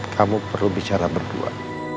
kamu perlu bicara berdua